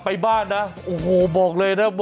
สวัสดีครับสวัสดีครับ